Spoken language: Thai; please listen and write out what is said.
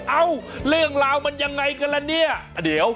เอ้าเรื่องราวมันยังไงกันล่ะนี่